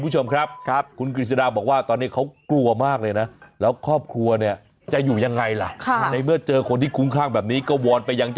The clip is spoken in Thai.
จำไม่ได้แล้วก็เขาบอกว่าไม่ได้ก่อเหตุอะไรเลย